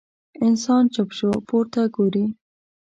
انسان چوپ شو، پورته ګوري.